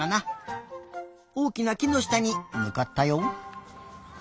おおきなきのしたにむかったよ。